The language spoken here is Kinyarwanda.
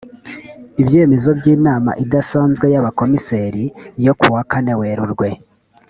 ibyemezo by inama idasanzwe y abakomiseri yo kuwa kane werurwe